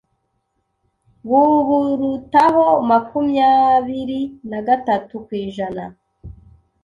buburutaho makumyaabiri nagatatu kw'ijana